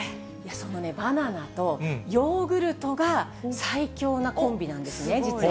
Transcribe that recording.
そのバナナとヨーグルトが最強なコンビなんですね、実は。